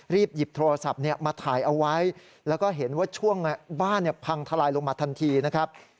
หยิบโทรศัพท์มาถ่ายเอาไว้แล้วก็เห็นว่าช่วงบ้านพังทลายลงมาทันทีนะครับ